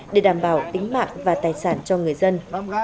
để đảm bảo tính mạng và tài sản cho người dân